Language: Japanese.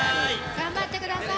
頑張ってください。